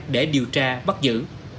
để điều tra bắt giữ